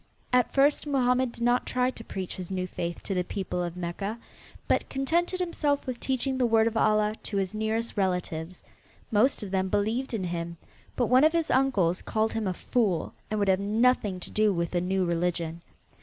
At first Mohammed did not try to preach his new faith to the people of Mecca, but contented himself with teaching the word of Allah to his nearest relatives. Most of them believed in him, but one of his uncles called him a fool and would have nothing to do with the new religion.